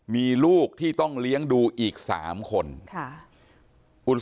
ไม่ตั้งใจครับ